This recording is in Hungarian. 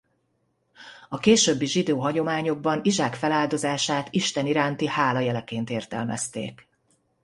A későbbi zsidó hagyományokban Izsák feláldozását Isten iránti hála jeleként értelmezték.